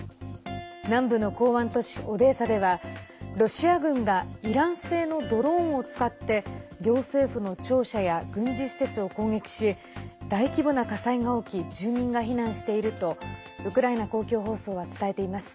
南部の港湾都市オデーサではロシア軍がイラン製のドローンを使って行政府の庁舎や軍事施設を攻撃し大規模な火災が起き住民が避難しているとウクライナ公共放送は伝えています。